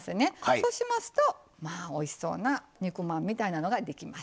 そうしますとまあおいしそうな肉まんみたいなのができます。